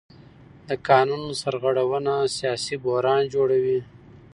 د قانون سرغړونه سیاسي بحران جوړوي